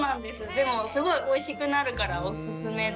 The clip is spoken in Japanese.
でもすごいおいしくなるからおすすめです。